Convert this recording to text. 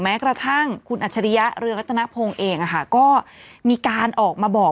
แม้กระทั่งคุณอัชริยะเรืองรัฐนาโพงเองอะค่ะก็มีการออกมาบอก